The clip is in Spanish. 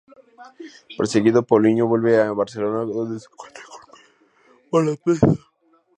Perseguido, Paulino vuelve a Barcelona, donde se encuentra con Malatesta.